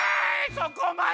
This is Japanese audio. そこまで！